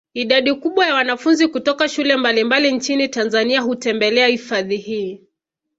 Idadi kubwa ya wanafunzi kutoka shule mbalimbali nchini Tanzania hutembelea hifadhi hii